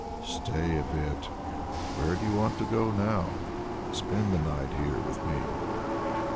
"Stay a bit. Where do you want to go now? Spend the night here with me."